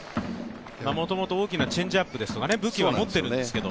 もともと大きなチェンジアップとか武器も持っているんですけど。